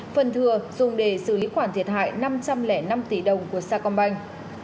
phần thừa dùng để xử lý khoản thiệt hại năm trăm linh năm tỷ đồng của sacombank